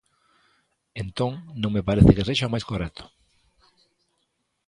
Entón, non me parece que sexa o máis correcto.